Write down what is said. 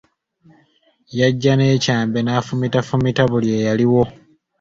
Yajja n'ekyambe n'afumitafumita buli eyaliwo.